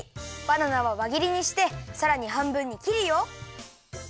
バナナはわぎりにしてさらにはんぶんにきるよ。